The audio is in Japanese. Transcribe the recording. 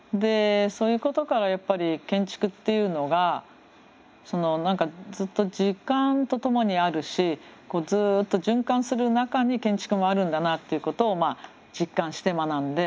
そういうことからやっぱり建築っていうのがずっと時間と共にあるしずっと循環する中に建築もあるんだなっていうことを実感して学んで。